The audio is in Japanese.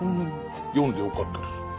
読んでよかったです。